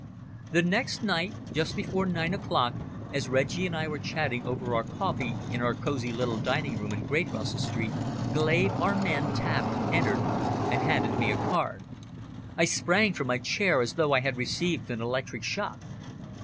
The next night, just before nine o'clock, as Reggie and I were chatting over our coffee in our cosy little dining room in Great Russell Street, Glave, our man, tapped, entered, and handed me a card. I sprang from my chair, as though I had received an electric shock.